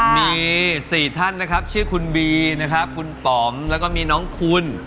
มี๔ท่านนะครับชื่อคุณบีนะครับคุณป๋อมแล้วก็มีน้องคุณ